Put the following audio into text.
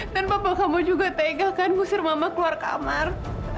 dan papa kamu juga tegakkan ngusir mama keluar kamar